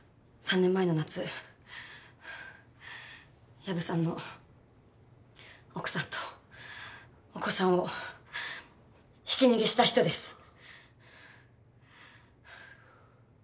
３年前の夏薮さんの奥さんとお子さんをひき逃げした人です。